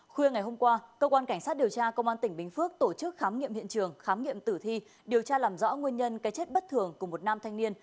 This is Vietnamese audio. khuya ngày hôm qua cơ quan cảnh sát điều tra công an tỉnh bình phước tổ chức khám nghiệm hiện trường khám nghiệm tử thi điều tra làm rõ nguyên nhân cái chết bất thường của một nam thanh niên